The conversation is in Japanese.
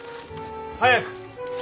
早く。